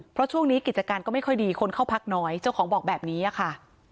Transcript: เพราะช่วงนี้กิจการก็ไม่ค่อยดีคนเข้าพักน้อยเจ้าของบอกแบบนี้ค่ะ